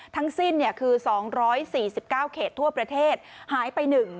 ทั้งสิ้นคือ๒๔๙เขตทั่วประเทศหายไป๑